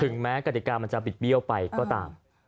แม้กฎิกามันจะบิดเบี้ยวไปก็ตาม